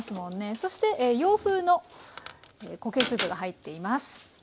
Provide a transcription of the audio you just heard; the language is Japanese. そして洋風の固形スープが入っています。